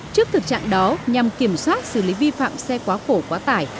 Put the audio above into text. trước thực trạng đó nhằm kiểm soát xử lý vi phạm xe quá khổ quá tải